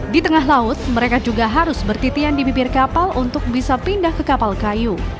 di tengah laut mereka juga harus bertitian di bibir kapal untuk bisa pindah ke kapal kayu